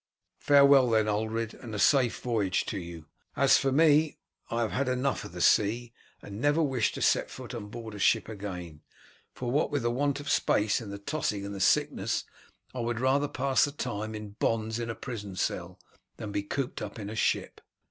Farewell, then, Ulred, and a safe voyage to you. As for me, I have had enough of the sea, and never wish to set foot on board ship again; for what with the want of space and the tossing and the sickness, I would rather pass the time in bonds in a prison cell than be cooped up in a ship."